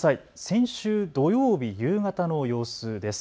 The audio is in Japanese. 先週、土曜日夕方の様子です。